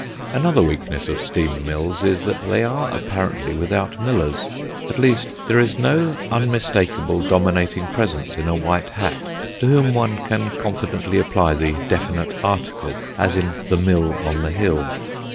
Another weakness of steam mills is that they are apparently without millers at least there is no unmistakable dominating presence in a white hat, to whom one can confidently apply the definite article, as in the mill on the hill.